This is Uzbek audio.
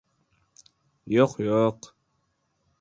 Yo‘q, yo‘q...